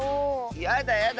やだやだ